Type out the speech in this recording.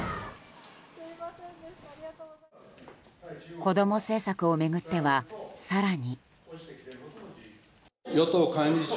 こども政策を巡っては更に。